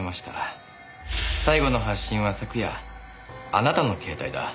最後の発信は昨夜あなたの携帯だ。